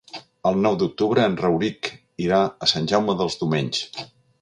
El nou d'octubre en Rauric irà a Sant Jaume dels Domenys.